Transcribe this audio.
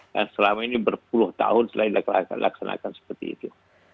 dan selama ini berpuluh tahun selain laksanakan seperti itu